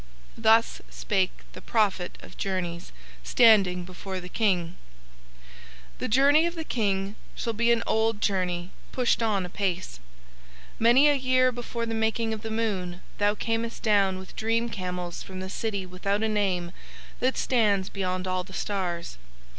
Thus spake the Prophet of Journeys standing before the King: "The journey of the King shall be an old journey pushed on apace. "Many a year before the making of the moon thou camest down with dream camels from the City without a name that stands beyond all the stars.